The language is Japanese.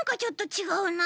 ちがうか。